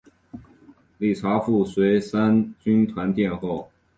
李富春随三军团殿后。